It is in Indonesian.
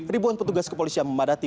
ribuan petugas kepolisian memadati